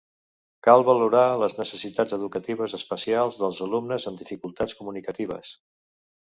Cal valorar les necessitats educatives especials dels alumnes amb dificultats comunicatives.